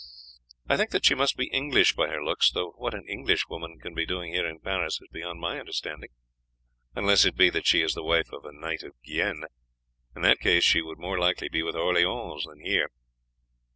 I think that she must be English by her looks, though what an English woman can be doing here in Paris is beyond my understanding, unless it be that she is the wife of a knight of Guienne; in that case she would more likely be with Orleans than here."